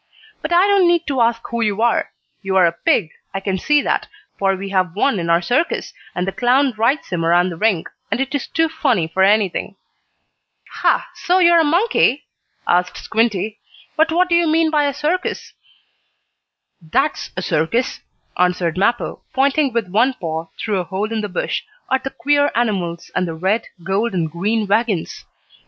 "But I don't need to ask who you are. You are a pig, I can see that, for we have one in our circus, and the clown rides him around the ring, and it is too funny for anything." [Illustration: "Why, I am Mappo, the merry monkey," was the answer.] "Ha, so you are a monkey?" asked Squinty. "But what do you mean by a circus?" "That's a circus," answered Mappo, pointing with one paw through a hole in the bush, at the queer animals, and the red, gold and green wagons.